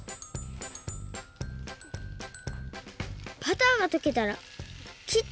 バターがとけたらきった